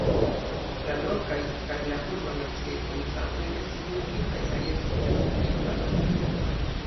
La lokaj kaj la urbaj naciaj komitatoj estis nuligitaj kaj estis renovigita aŭtonomio.